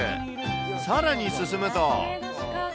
さらに進むと。